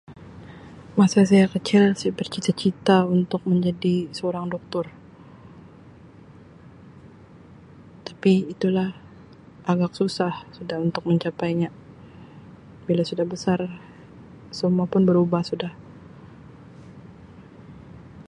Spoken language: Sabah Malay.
Masa saya kecil saya bercita-cita untuk menjadi seorang doktor tapi itulah agak susah sudah untuk mencapainya, bila sudah besar semua pun berubah sudah.